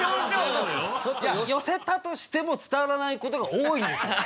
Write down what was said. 寄せたとしても伝わらないことが多いんですよ